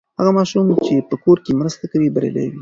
هغه ماشوم چې په کور کې مرسته کوي، بریالی وي.